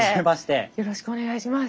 よろしくお願いします。